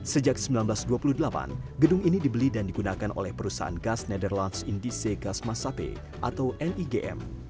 sejak seribu sembilan ratus dua puluh delapan gedung ini dibeli dan digunakan oleh perusahaan gas netherlands indise gasmasape atau nigm